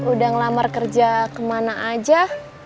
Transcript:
udah ngelamar kerja kemana aja